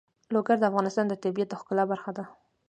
لوگر د افغانستان د طبیعت د ښکلا برخه ده.